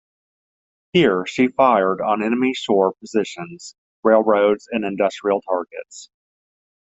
Here she fired on enemy shore positions, railroads, and industrial targets.